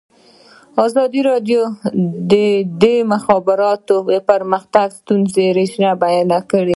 ازادي راډیو د د مخابراتو پرمختګ د ستونزو رېښه بیان کړې.